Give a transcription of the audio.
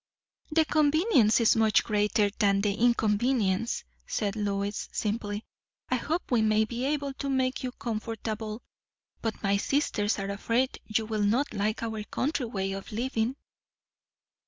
"The convenience is much greater than the inconvenience," said Lois simply. "I hope we may be able to make you comfortable; but my sisters are afraid you will not like our country way of living."